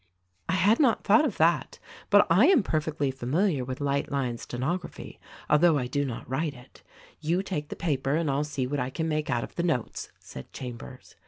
"I had not thought of that, but I am perfectly familiar with light line stenography, although I do not write it. You take the paper and I'll see what I can make out of the notes," said Chambers.